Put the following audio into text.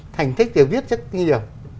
thành tích thì viết rất nhiều